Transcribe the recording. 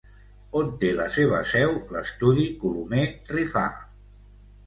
On té la seva seu l'estudi Colomer-Rifà?